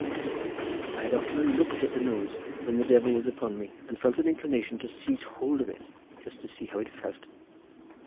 I had often looked at the nose, when the divil was upon me, and felt an inclination to seize hold of it, jist to see how it felt.